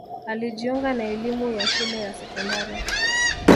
alijiunga na elimu ya shule ya sekondari